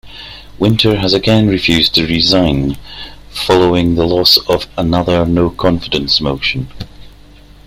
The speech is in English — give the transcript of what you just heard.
Winter has again refused to resign following the loss of another "no-confidence" motion.